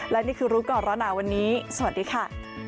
และนี่คือรู้ก่อนร้อนหนาวันนี้สวัสดีค่ะ